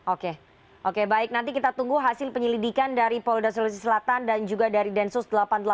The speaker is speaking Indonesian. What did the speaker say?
oke oke baik nanti kita tunggu hasil penyelidikan dari polda sulawesi selatan dan juga dari densus delapan puluh delapan